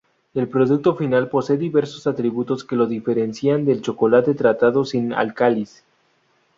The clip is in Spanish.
El producto final posee diversos atributos que lo diferencian del chocolate tratado sin álcalis.